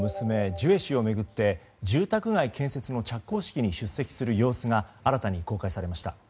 ジュエ氏を巡って住宅街建設の着工式に出席する様子が新たに公開されました。